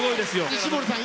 西森さん